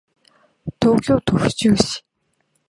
東京都府中市